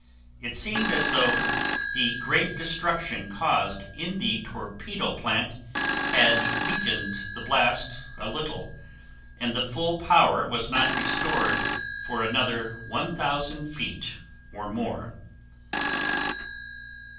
It seemed as though the great destruction caused in the torpedo plant had weakened the blast a little, and the full power was not restored for another 1,000 feet or more.